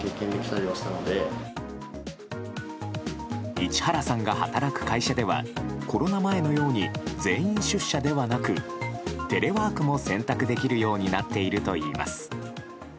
市原さんが働く会社ではコロナ前のように全員出社ではなくテレワークも選択できるようになっているといいます。